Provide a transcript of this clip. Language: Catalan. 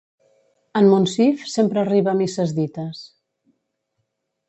En Monsif sempre arriba a misses dites.